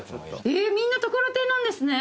えっみんなところてんなんですね。